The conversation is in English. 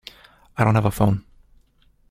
I don't have a phone.